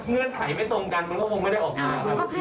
เงื่อนไขไม่ตรงกันมันก็คงไม่ได้ออกมาครับ